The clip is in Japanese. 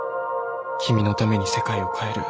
君のために世界を変える。